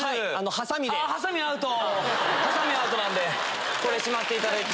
ハサミアウトなんでこれしまっていただいて。